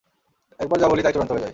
একবার যা বলি তাই চূড়ান্ত হয়ে যায়।